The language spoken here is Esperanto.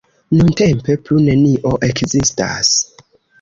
Nuntempe plu nenio ekzistas.